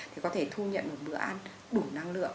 thì có thể thu nhận một bữa ăn đủ năng lượng